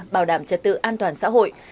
bảo đảm trật tự an toàn xã hội